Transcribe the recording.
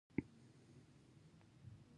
تر درو ورځو وروسته کاکا مړ شو.